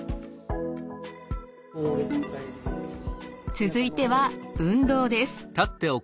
続いては運動です。